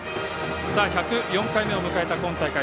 １０４回目を迎えた今大会。